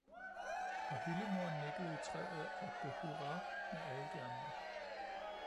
Og hyldemor nikkede i træet og råbte hurra med alle de andre